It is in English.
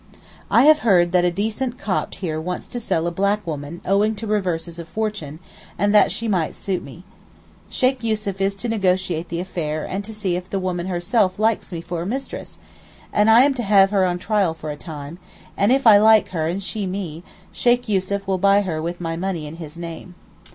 I have heard that a decent Copt here wants to sell a black woman owing to reverses of fortune, and that she might suit me. Sheykh Yussuf is to negotiate the affair and to see if the woman herself likes me for a mistress, and I am to have her on trial for a time, and if I like her and she me, Sheykh Yussuf will buy her with my money in his name.